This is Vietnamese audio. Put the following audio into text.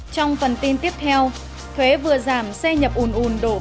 trong phần tin tiếp theo thuế vừa giảm xe nhập ùn ùn đổ về việt nam